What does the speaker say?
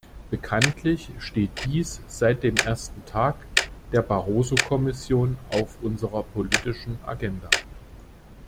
Bekanntlich steht dies seit dem ersten Tag der Barroso-Kommission auf unserer politischen Agenda.